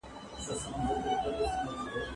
زه مخکي درس لوستی و؟!